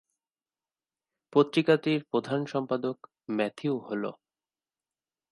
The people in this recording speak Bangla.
পত্রিকাটির প্রধান সম্পাদক ম্যাথিউ হল।